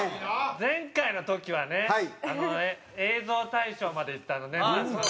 前回の時はね映像大賞までいった年末のね。